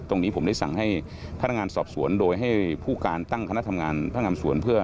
ตรงนี้ผมได้สั่งให้พนักงานสอบสวนโดยให้ผู้การตั้งคณะทำงานพนักงานสวนเพื่อ